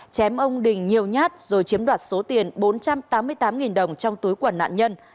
chém ông đình nhiều nhát rồi chiếm đoạt số tiền bốn trăm tám mươi tám đồng trong túi quần nạn nhân